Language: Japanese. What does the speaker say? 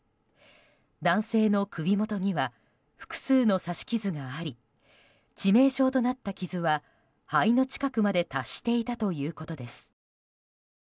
男性の首元には複数の刺し傷があり致命傷となった傷は肺の近くにまで達していたということです。